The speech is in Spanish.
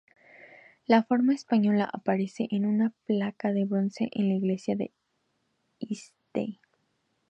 La forma española aparece en una placa de bronce en la iglesia de St.